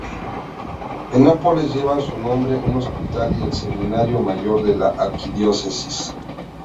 En Nápoles llevan su nombre un hospital y el seminario mayor de la arquidiócesis.